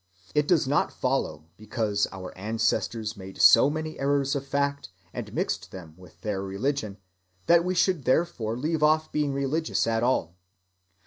It does not follow, because our ancestors made so many errors of fact and mixed them with their religion, that we should therefore leave off being religious at all.